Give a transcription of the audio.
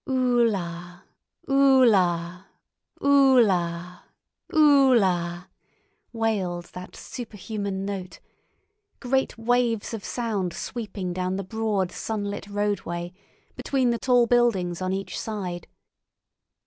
"Ulla, ulla, ulla, ulla," wailed that superhuman note—great waves of sound sweeping down the broad, sunlit roadway, between the tall buildings on each side.